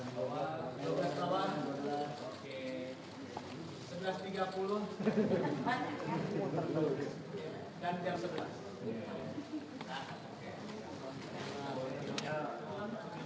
dan jam sebelas